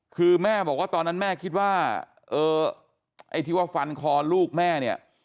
คือแม่บอกว่าตอนนั้นแม่คิดว่าเออไอ้ที่ว่าฟันคอลูกแม่เนี่ย